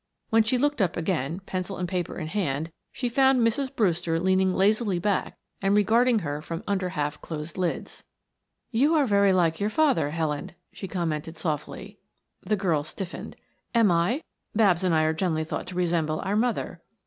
When she looked up again, pencil and paper in hand, she found Mrs. Brewster leaning lazily back and regarding her from under half closed lids. "You are very like your father, Helen," she commented softly. The girl stiffened. "Am I? Babs and I are generally thought to resemble our mother."